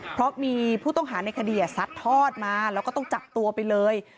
เพราะมีผู้ต้องหาในคดีซัดทอดมาแล้วก็ต้องจับตัวไปเลย